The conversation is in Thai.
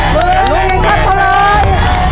หนึ่งหมื่นบาทเท่าไร